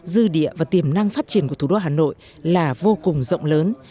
dư địa và tiềm năng phát triển của thủ đô hà nội là vô cùng rộng lớn